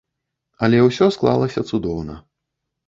Але ўсё склалася цудоўна.